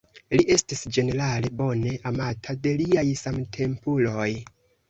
Li estis ĝenerale bone amata de liaj samtempuloj.